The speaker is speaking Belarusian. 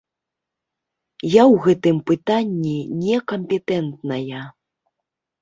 Я ў гэтым пытанні не кампетэнтная.